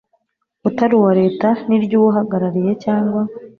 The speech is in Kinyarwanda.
utari uwa Leta iry uwuhagarariye cyangwa